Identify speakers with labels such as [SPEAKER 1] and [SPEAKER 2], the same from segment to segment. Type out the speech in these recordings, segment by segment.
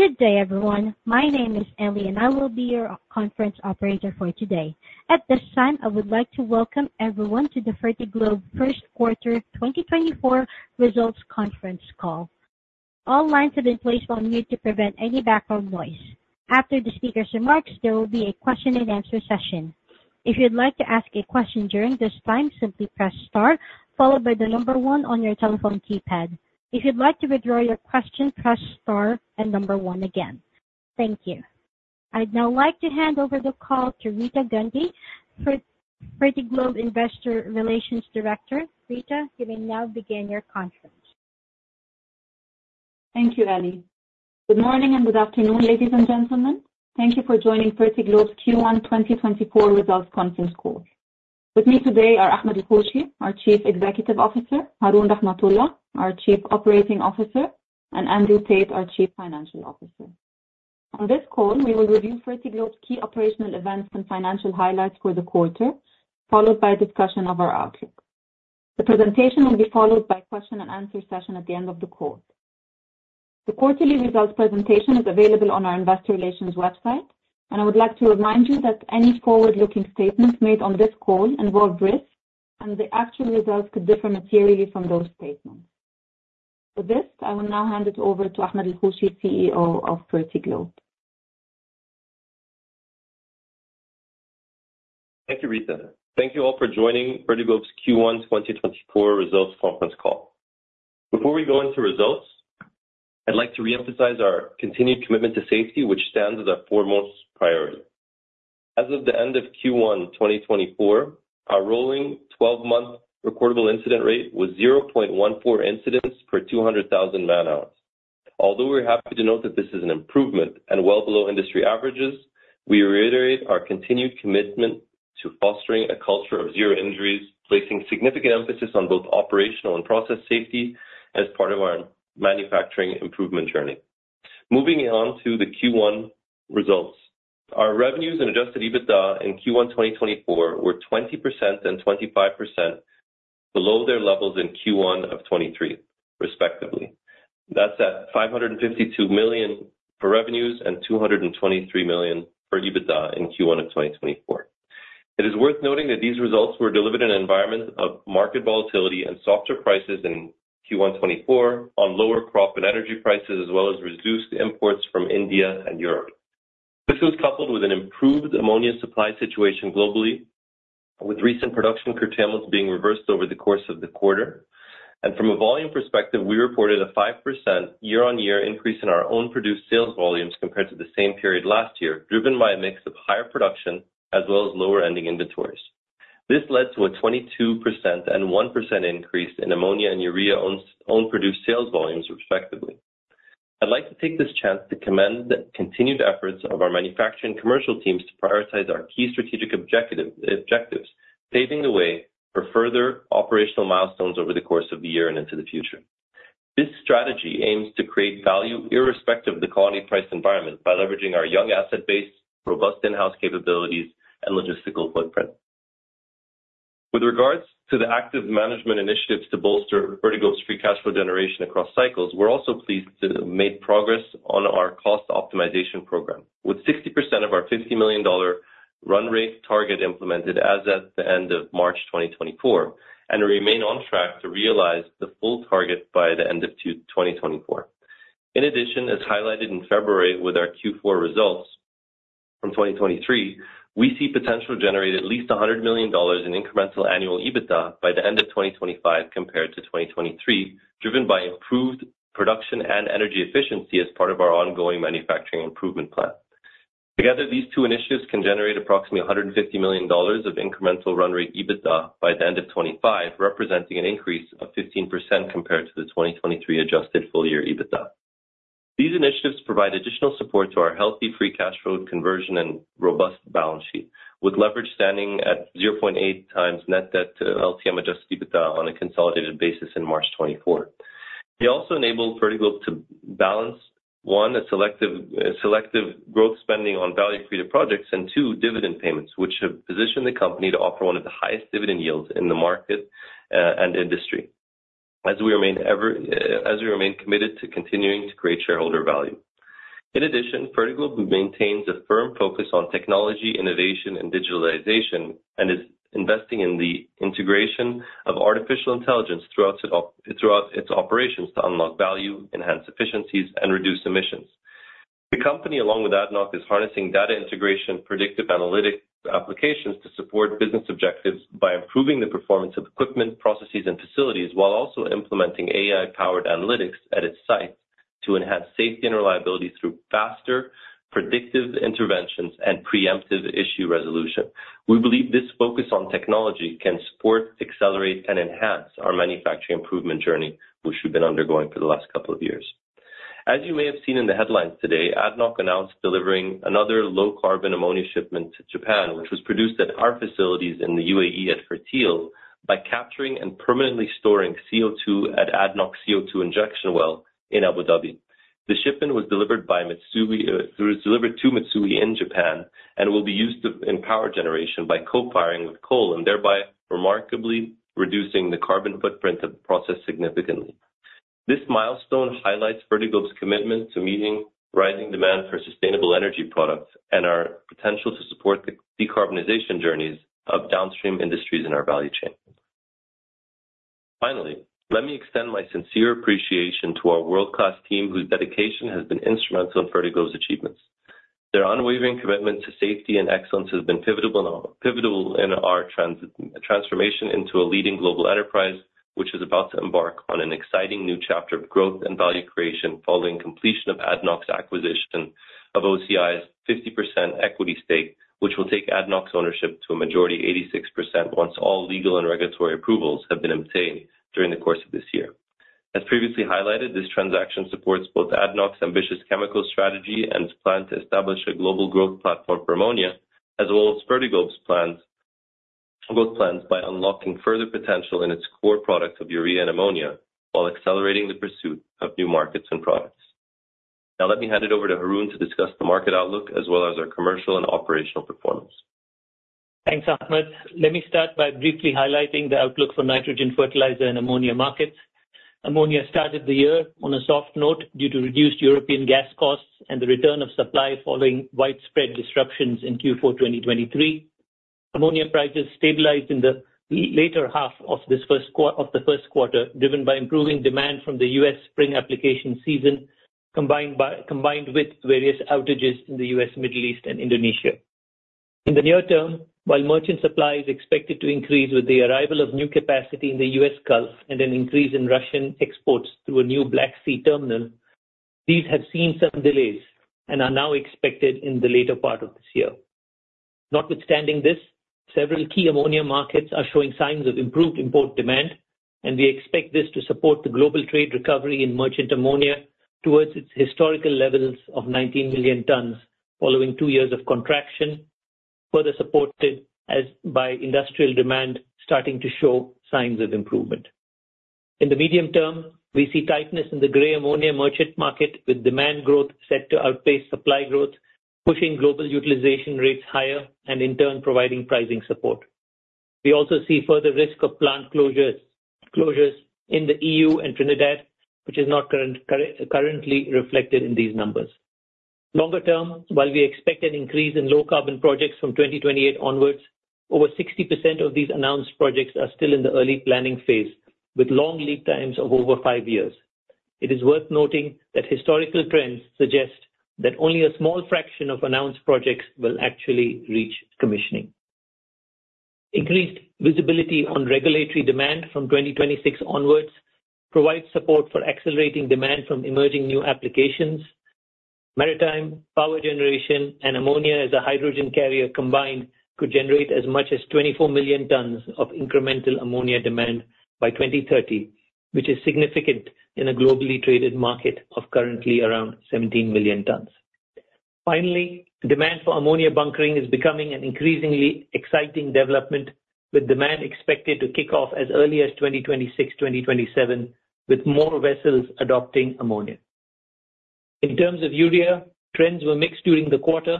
[SPEAKER 1] Good day, everyone. My name is Ellie, and I will be your conference operator for today. At this time, I would like to welcome everyone to the Fertiglobe first quarter 2024 results conference call. All lines have been placed on mute to prevent any background noise. After the speaker's remarks, there will be a question-and-answer session. If you'd like to ask a question during this time, simply press star, followed by the number one on your telephone keypad. If you'd like to withdraw your question, press star and number one again. Thank you. I'd now like to hand over the call to Rita Guindy, Fertiglobe Investor Relations Director. Rita, you may now begin your conference.
[SPEAKER 2] Thank you, Ellie. Good morning and good afternoon, ladies and gentlemen. Thank you for joining Fertiglobe's Q1 2024 results conference call. With me today are Ahmed El-Hoshy, our Chief Executive Officer; Haroon Rahmathulla, our Chief Operating Officer; and Andrew Tait, our Chief Financial Officer. On this call, we will review Fertiglobe's key operational events and financial highlights for the quarter, followed by a discussion of our outlook. The presentation will be followed by a question-and-answer session at the end of the call. The quarterly results presentation is available on our Investor Relations website, and I would like to remind you that any forward-looking statements made on this call involve risks, and the actual results could differ materially from those statements. With this, I will now hand it over to Ahmed El-Hoshy, CEO of Fertiglobe.
[SPEAKER 3] Thank you, Rita. Thank you all for joining Fertiglobe's Q1 2024 results conference call. Before we go into results, I'd like to reemphasize our continued commitment to safety, which stands as our foremost priority. As of the end of Q1 2024, our rolling 12-month recordable incident rate was 0.14 incidents per 200,000 man-hours. Although we're happy to note that this is an improvement and well below industry averages, we reiterate our continued commitment to fostering a culture of zero injuries, placing significant emphasis on both operational and process safety as part of our manufacturing improvement journey. Moving on to the Q1 results, our revenues and adjusted EBITDA in Q1 2024 were 20% and 25% below their levels in Q1 of 2023, respectively. That's at $552 million for revenues and $223 million for EBITDA in Q1 of 2024. It is worth noting that these results were delivered in an environment of market volatility and softer prices in Q1 2024, on lower crop and energy prices, as well as reduced imports from India and Europe. This was coupled with an improved ammonia supply situation globally, with recent production curtailments being reversed over the course of the quarter. From a volume perspective, we reported a 5% year-on-year increase in our own-produced sales volumes compared to the same period last year, driven by a mix of higher production as well as lower-ending inventories. This led to a 22% and 1% increase in ammonia and urea own-produced sales volumes, respectively. I'd like to take this chance to commend the continued efforts of our manufacturing commercial teams to prioritize our key strategic objectives, paving the way for further operational milestones over the course of the year and into the future. This strategy aims to create value irrespective of the commodity-price environment by leveraging our young asset base, robust in-house capabilities, and logistical footprint. With regards to the active management initiatives to bolster Fertiglobe's free cash flow generation across cycles, we're also pleased to have made progress on our cost optimization program, with 60% of our $50 million run rate target implemented as at the end of March 2024, and we remain on track to realize the full target by the end of 2024. In addition, as highlighted in February with our Q4 results from 2023, we see potential to generate at least $100 million in incremental annual EBITDA by the end of 2025 compared to 2023, driven by improved production and energy efficiency as part of our ongoing manufacturing improvement plan. Together, these two initiatives can generate approximately $150 million of incremental run rate EBITDA by the end of 2025, representing an increase of 15% compared to the 2023 adjusted full-year EBITDA. These initiatives provide additional support to our healthy free cash flow conversion and robust balance sheet, with leverage standing at 0.8x net debt to LTM adjusted EBITDA on a consolidated basis in March 2024. They also enable Fertiglobe to balance, one, a selective growth spending on value-created projects and, two, dividend payments, which have positioned the company to offer one of the highest dividend yields in the market and industry, as we remain committed to continuing to create shareholder value. In addition, Fertiglobe maintains a firm focus on technology, innovation, and digitalization, and is investing in the integration of artificial intelligence throughout its operations to unlock value, enhance efficiencies, and reduce emissions. The company, along with ADNOC, is harnessing data integration predictive analytics applications to support business objectives by improving the performance of equipment, processes, and facilities, while also implementing AI-powered analytics at its site to enhance safety and reliability through faster, predictive interventions and preemptive issue resolution. We believe this focus on technology can support, accelerate, and enhance our manufacturing improvement journey, which we've been undergoing for the last couple of years. As you may have seen in the headlines today, ADNOC announced delivering another low-carbon ammonia shipment to Japan, which was produced at our facilities in the UAE at Fertil by capturing and permanently storing CO2 at ADNOC's CO2 injection well in Abu Dhabi. The shipment was delivered to Mitsui in Japan and will be used in power generation by co-firing with coal, and thereby remarkably reducing the carbon footprint of the process significantly. This milestone highlights Fertiglobe's commitment to meeting rising demand for sustainable energy products and our potential to support the decarbonization journeys of downstream industries in our value chain. Finally, let me extend my sincere appreciation to our world-class team, whose dedication has been instrumental in Fertiglobe's achievements. Their unwavering commitment to safety and excellence has been pivotal in our transformation into a leading global enterprise, which is about to embark on an exciting new chapter of growth and value creation following completion of ADNOC's acquisition of OCI's 50% equity stake, which will take ADNOC's ownership to a majority of 86% once all legal and regulatory approvals have been obtained during the course of this year. As previously highlighted, this transaction supports both ADNOC's ambitious chemical strategy and its plan to establish a global growth platform for ammonia, as well as Fertiglobe's growth plans by unlocking further potential in its core products of urea and ammonia, while accelerating the pursuit of new markets and products. Now, let me hand it over to Haroon to discuss the market outlook, as well as our commercial and operational performance.
[SPEAKER 4] Thanks, Ahmed. Let me start by briefly highlighting the outlook for nitrogen fertilizer and ammonia markets. Ammonia started the year on a soft note due to reduced European gas costs and the return of supply following widespread disruptions in Q4 2023. Ammonia prices stabilized in the later half of the first quarter, driven by improving demand from the U.S. spring application season, combined with various outages in the U.S., Middle East, and Indonesia. In the near term, while merchant supply is expected to increase with the arrival of new capacity in the U.S. Gulf and an increase in Russian exports through a new Black Sea terminal, these have seen some delays and are now expected in the later part of this year. Notwithstanding this, several key ammonia markets are showing signs of improved import demand, and we expect this to support the global trade recovery in merchant ammonia towards its historical levels of 19 million tonnes following two years of contraction, further supported by industrial demand starting to show signs of improvement. In the medium term, we see tightness in the gray ammonia merchant market, with demand growth set to outpace supply growth, pushing global utilization rates higher and, in turn, providing pricing support. We also see further risk of plant closures in the EU and Trinidad, which is not currently reflected in these numbers. Longer term, while we expect an increase in low-carbon projects from 2028 onwards, over 60% of these announced projects are still in the early planning phase, with long lead times of over five years. It is worth noting that historical trends suggest that only a small fraction of announced projects will actually reach commissioning. Increased visibility on regulatory demand from 2026 onwards provides support for accelerating demand from emerging new applications. Maritime, power generation, and ammonia as a hydrogen carrier combined could generate as much as 24 million tonnes of incremental ammonia demand by 2030, which is significant in a globally traded market of currently around 17 million tonnes. Finally, demand for ammonia bunkering is becoming an increasingly exciting development, with demand expected to kick off as early as 2026-2027, with more vessels adopting ammonia. In terms of urea, trends were mixed during the quarter.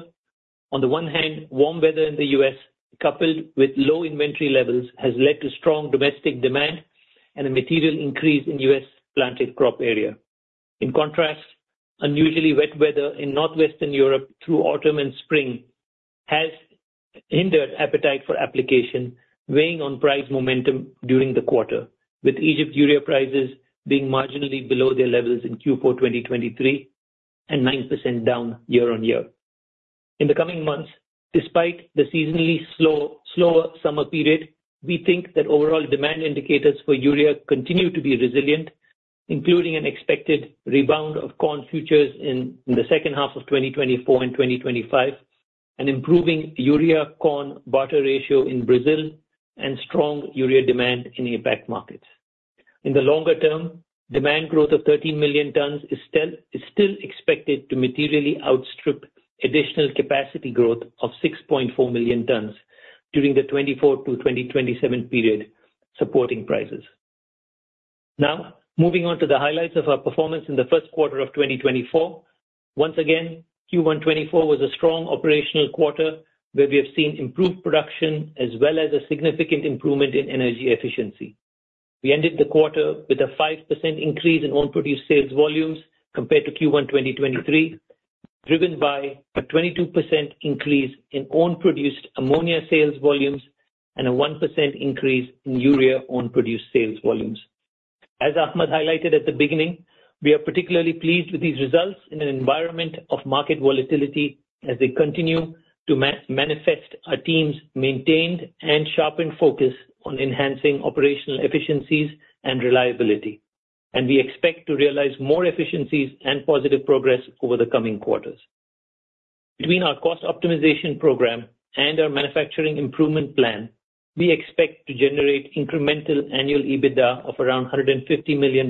[SPEAKER 4] On the one hand, warm weather in the U.S., coupled with low inventory levels, has led to strong domestic demand and a material increase in U.S. planted crop area. In contrast, unusually wet weather in northwestern Europe through autumn and spring has hindered appetite for application, weighing on price momentum during the quarter, with Egypt's urea prices being marginally below their levels in Q4 2023 and 9% down year-on-year. In the coming months, despite the seasonally slower summer period, we think that overall demand indicators for urea continue to be resilient, including an expected rebound of corn futures in the second half of 2024 and 2025, an improving urea-corn-barter ratio in Brazil, and strong urea demand in APAC markets. In the longer term, demand growth of 13 million tonnes is still expected to materially outstrip additional capacity growth of 6.4 million tonnes during the 2024 to 2027 period supporting prices. Now, moving on to the highlights of our performance in the first quarter of 2024, once again, Q1 2024 was a strong operational quarter where we have seen improved production as well as a significant improvement in energy efficiency. We ended the quarter with a 5% increase in own-produced sales volumes compared to Q1 2023, driven by a 22% increase in own-produced ammonia sales volumes and a 1% increase in urea own-produced sales volumes. As Ahmed highlighted at the beginning, we are particularly pleased with these results in an environment of market volatility as they continue to manifest our team's maintained and sharpened focus on enhancing operational efficiencies and reliability, and we expect to realize more efficiencies and positive progress over the coming quarters. Between our cost optimization program and our manufacturing improvement plan, we expect to generate incremental annual EBITDA of around $150 million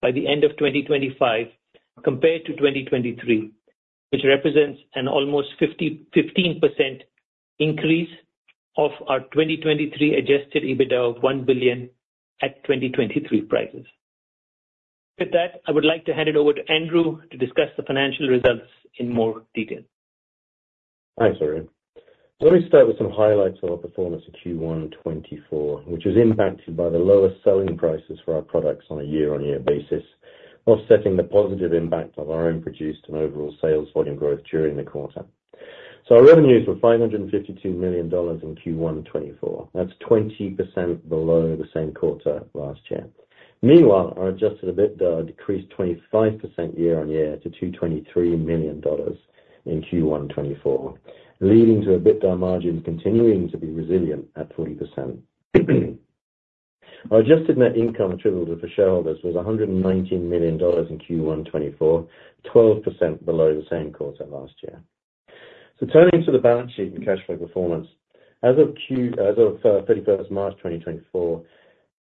[SPEAKER 4] by the end of 2025 compared to 2023, which represents an almost 15% increase of our 2023 adjusted EBITDA of $1 billion at 2023 prices. With that, I would like to hand it over to Andrew to discuss the financial results in more detail.
[SPEAKER 5] Hi, Haroon. Let me start with some highlights of our performance in Q1 2024, which was impacted by the lower selling prices for our products on a year-on-year basis, while seeing the positive impact of our own-produced and overall sales volume growth during the quarter. So our revenues were $552 million in Q1 2024. That's 20% below the same quarter last year. Meanwhile, our adjusted EBITDA decreased 25% year-on-year to $223 million in Q1 2024, leading to EBITDA margins continuing to be resilient at 40%. Our adjusted net income attributable to shareholders was $119 million in Q1 2024, 12% below the same quarter last year. So turning to the balance sheet and cash flow performance, as of 31st March 2024,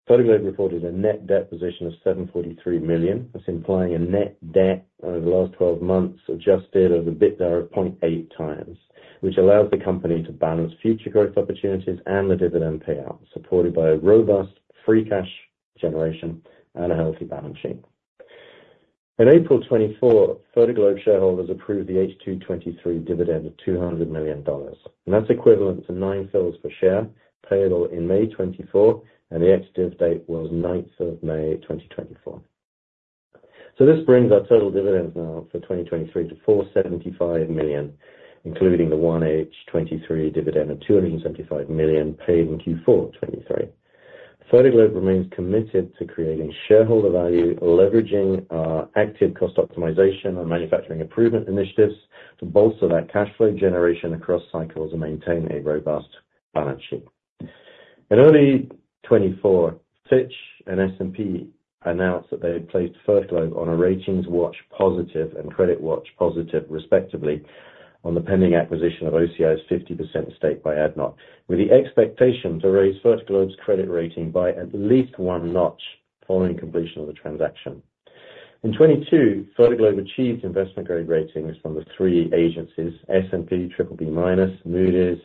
[SPEAKER 5] Fertiglobe reported a net debt position of $743 million. That's implying a net debt over the last 12 months adjusted EBITDA of 0.8 times, which allows the company to balance future growth opportunities and the dividend payout, supported by a robust free cash generation and a healthy balance sheet. In April 2024, Fertiglobe shareholders approved the H2 2023 dividend of $200 million. That's equivalent to nine fils per share, payable in May 2024, and the ex-date was 9th of May 2024. This brings our total dividends now for 2023 to $475 million, including the 1H 2023 dividend of $275 million paid in Q4 2023. Fertiglobe remains committed to creating shareholder value, leveraging our active cost optimization and manufacturing improvement initiatives to bolster that cash flow generation across cycles and maintain a robust balance sheet. In early 2024, Fitch and S&P announced that they had placed Fertiglobe on a Rating Watch Positive and CreditWatch Positive, respectively, on the pending acquisition of OCI's 50% stake by ADNOC, with the expectation to raise Fertiglobe's credit rating by at least one notch following completion of the transaction. In 2022, Fertiglobe achieved investment-grade ratings from the three agencies, S&P BBB-, Moody's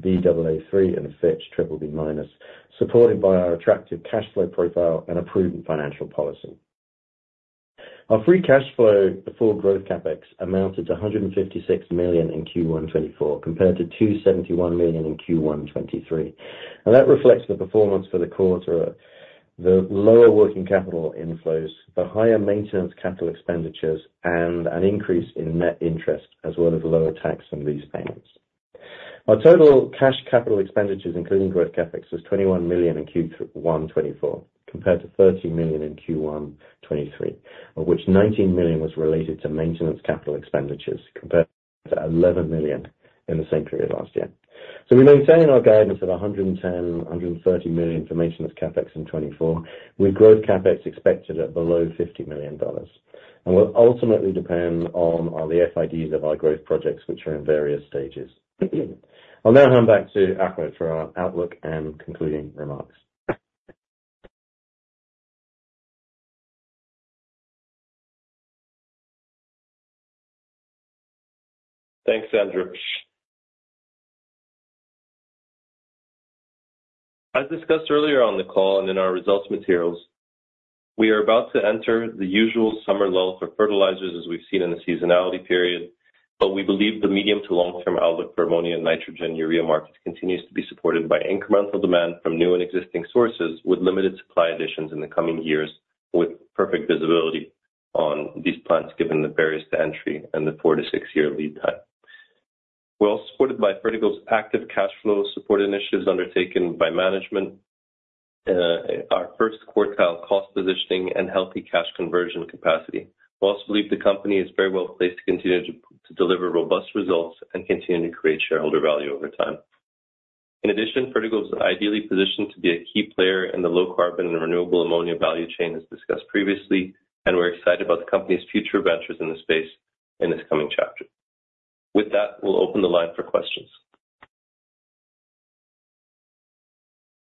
[SPEAKER 5] Baa3, and Fitch BBB-, supported by our attractive cash flow profile and a prudent financial policy. Our free cash flow before growth CapEx amounted to $156 million in Q1 2024 compared to $271 million in Q1 2023. That reflects the performance for the quarter: the lower working capital inflows, the higher maintenance capital expenditures, and an increase in net interest, as well as lower tax on these payments. Our total cash capital expenditures, including growth CapEx, was $21 million in Q1 2024 compared to $30 million in Q1 2023, of which $19 million was related to maintenance capital expenditures compared to $11 million in the same period last year. So we maintain our guidance of $110 million-$130 million for maintenance CapEx in 2024 with growth CapEx expected at below $50 million. And we'll ultimately depend on the FIDs of our growth projects, which are in various stages. I'll now hand back to Ahmed for our outlook and concluding remarks.
[SPEAKER 3] Thanks, Andrew. As discussed earlier on the call and in our results materials, we are about to enter the usual summer lull for fertilizers as we've seen in the seasonality period, but we believe the medium to long-term outlook for ammonia, nitrogen, and urea markets continues to be supported by incremental demand from new and existing sources with limited supply additions in the coming years with perfect visibility on these plants, given the barriers to entry and the 4-6-year lead time. We're also supported by Fertiglobe's active cash flow support initiatives undertaken by management, our first quartile cost positioning, and healthy cash conversion capacity. We also believe the company is very well placed to continue to deliver robust results and continue to create shareholder value over time. In addition, Fertiglobe's ideally positioned to be a key player in the low-carbon and renewable ammonia value chain, as discussed previously, and we're excited about the company's future ventures in the space in this coming chapter. With that, we'll open the line for questions.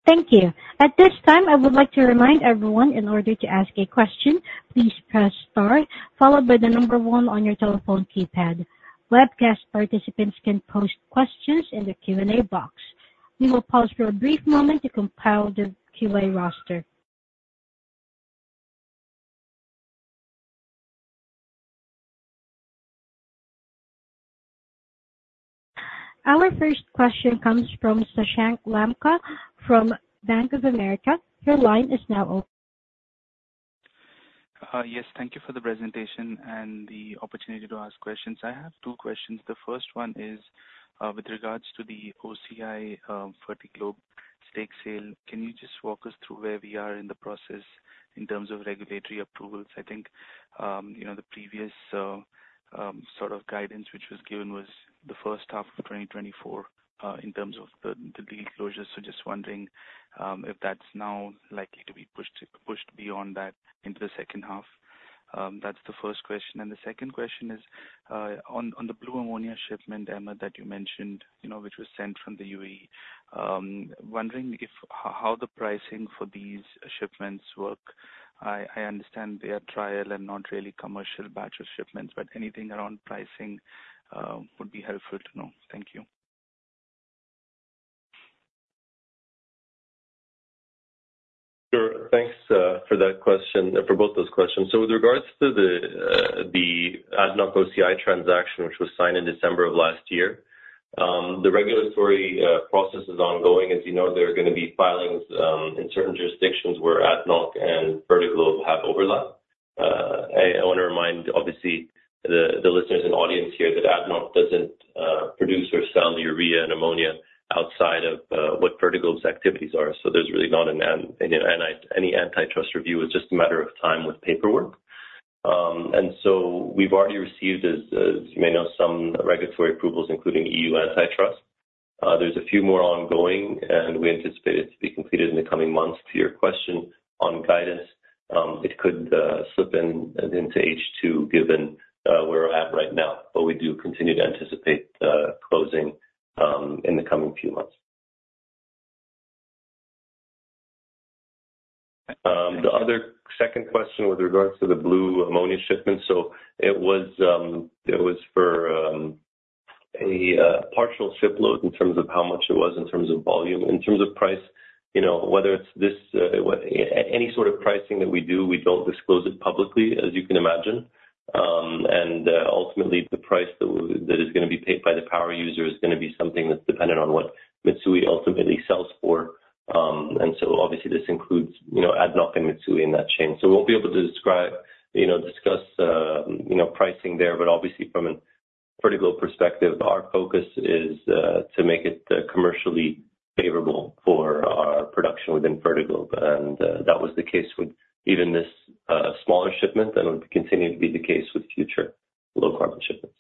[SPEAKER 1] Thank you. At this time, I would like to remind everyone, in order to ask a question, please press star, followed by the number one on your telephone keypad. Webcast participants can post questions in the Q&A box. We will pause for a brief moment to compile the Q&A roster. Our first question comes from Shashank Lanka from Bank of America. Your line is now open.
[SPEAKER 6] Yes. Thank you for the presentation and the opportunity to ask questions. I have two questions. The first one is with regards to the OCI Fertiglobe stake sale. Can you just walk us through where we are in the process in terms of regulatory approvals? I think the previous sort of guidance which was given was the first half of 2024 in terms of the deal closures. So just wondering if that's now likely to be pushed beyond that into the second half. That's the first question. The second question is on the blue ammonia shipment, Ahmed, that you mentioned, which was sent from the UAE, wondering how the pricing for these shipments work. I understand they are trial and not really commercial batch of shipments, but anything around pricing would be helpful to know. Thank you.
[SPEAKER 3] Sure. Thanks for that question and for both those questions. So with regards to the ADNOC OCI transaction, which was signed in December of last year, the regulatory process is ongoing. As you know, there are going to be filings in certain jurisdictions where ADNOC and Fertiglobe have overlap. I want to remind, obviously, the listeners and audience here that ADNOC doesn't produce or sell urea and ammonia outside of what Fertiglobe's activities are. So there's really not any antitrust review. It's just a matter of time with paperwork. And so we've already received, as you may know, some regulatory approvals, including EU antitrust. There's a few more ongoing, and we anticipate it to be completed in the coming months. To your question on guidance, it could slip into H2 given where we're at right now, but we do continue to anticipate closing in the coming few months. The other second question with regards to the Blue Ammonia shipment, so it was for a partial shipload in terms of how much it was in terms of volume. In terms of price, whether it's any sort of pricing that we do, we don't disclose it publicly, as you can imagine. And ultimately, the price that is going to be paid by the power user is going to be something that's dependent on what Mitsui ultimately sells for. And so obviously, this includes ADNOC and Mitsui in that chain. So we won't be able to discuss pricing there, but obviously, from a Fertiglobe perspective, our focus is to make it commercially favorable for our production within Fertiglobe. And that was the case with even this smaller shipment and would continue to be the case with future low-carbon shipments.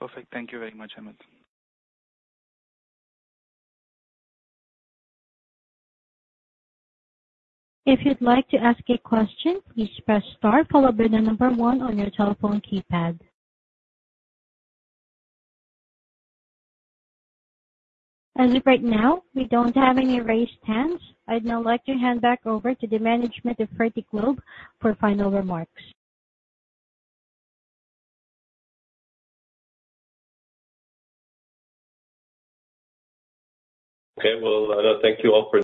[SPEAKER 6] Perfect. Thank you very much, Ahmed.
[SPEAKER 1] If you'd like to ask a question, please press star, followed by the number one on your telephone keypad. As of right now, we don't have any raised hands. I'd now like to hand back over to the management of Fertiglobe for final remarks.
[SPEAKER 3] Okay. Well, thank you all for.